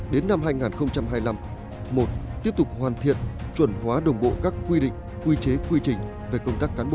đến năm hai nghìn hai mươi năm một tiếp tục hoàn thiện chuẩn hóa đồng bộ các quy định quy chế quy trình về công tác cán bộ